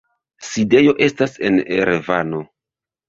Sidejo estas en Erevano.